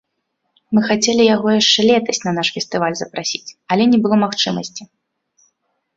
Мы хацелі яго яшчэ летась на наш фестываль запрасіць, але не было магчымасці.